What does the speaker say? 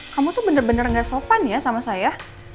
kamu tuh bener bener gak sopan ya sama saya